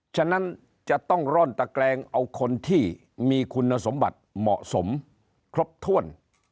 ฉะนั้นจะต้องร่อนตะแกรงเอาคนที่มีคุณสมบัติเหมาะสมครบถ้วน